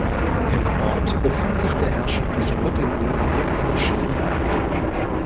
Im Ort befand sich der herrschaftliche Mittelhof mit einer Schäferei.